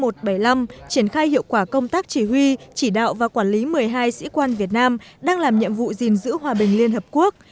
triển khai hiệu quả công tác chỉ huy chỉ đạo và quản lý một mươi hai sĩ quan việt nam đang làm nhiệm vụ gìn giữ hòa bình liên hợp quốc